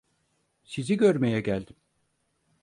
Sizi görmeye geldim.